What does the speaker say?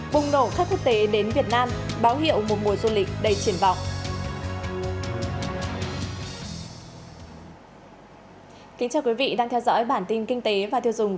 vùng nổ khắc quốc tế đến việt nam báo hiệu một mùa du lịch đầy triển vọng